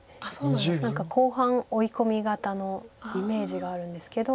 何か後半追い込み型のイメージがあるんですけど。